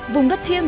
vùng đất thiêng